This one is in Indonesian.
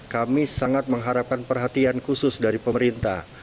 kami sangat mengharapkan perhatian khusus dari pemerintah